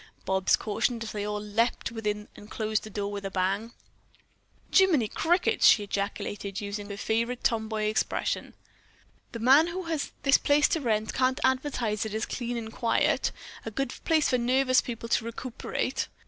Bobs cautioned, as they all leaped within and closed the door with a bang. "Jimminy crickets!" she then ejaculated, using her favorite tom boy expression. "The man who has this place to rent can't advertise it as clean and quiet, a good place for nervous people to recuperate."